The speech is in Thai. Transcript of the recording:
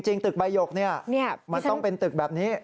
จริงตึกใบหยกเนี่ยมันต้องเป็นตึกแบบนี้